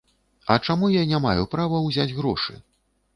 А чаму я не маю права ўзяць грошы?